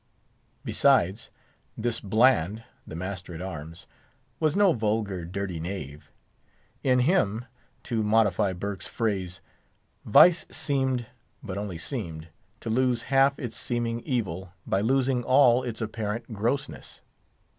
Besides, this Bland, the master at arms, was no vulgar, dirty knave. In him—to modify Burke's phrase—vice seemed, but only seemed, to lose half its seeming evil by losing all its apparent grossness.